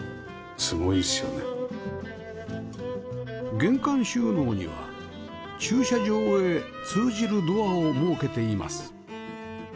玄関収納には駐車場へ通じるドアを設けています